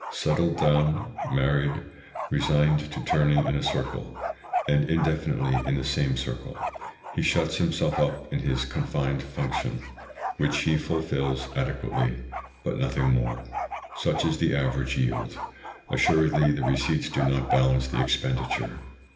Settled down, married, resigned to turning in a circle, and indefinitely in the same circle, he shuts himself up in his confined function, which he fulfils adequately, but nothing more. Such is the average yield: assuredly the receipts do not balance the expenditure.